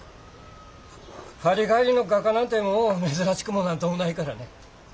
パリ帰りの画家なんてもう珍しくも何ともないからね。